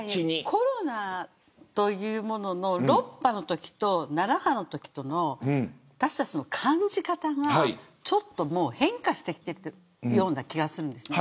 コロナというものの６波のときと７波のときの私たちの感じ方がちょっと変化してきているような気がするんです。